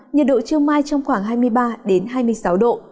nhiệt độ trưa mai trong khoảng hai mươi ba hai mươi sáu độ